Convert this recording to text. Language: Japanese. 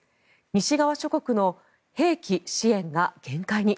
西側諸国の兵器支援が限界に。